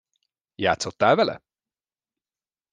Játszottál vele?